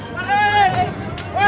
pak pak pak pak pak